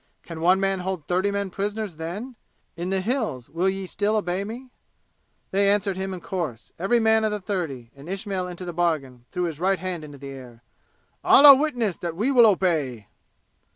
Can one man hold thirty men prisoners then? In the 'Hills' will ye still obey me?" They answered him in chorus. Every man of the thirty, and Ismail into the bargain, threw his right hand in the air. "Allah witness that we will obey!"